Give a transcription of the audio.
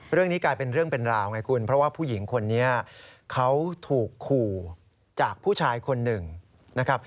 เรื่องนี้กลายเป็นเรื่องเป็นราวไงคุณเพราะว่าผู้หญิงคนนี้เขาถูกขู่จากผู้ชายคนหนึ่งนะครับ